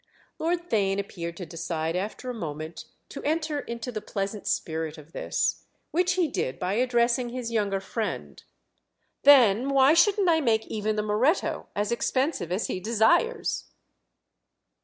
Lord Theign appeared to decide after a moment to enter into the pleasant spirit of this; which he did by addressing his younger friend. "Then why shouldn't I make even the Moretto as expensive as he desires?"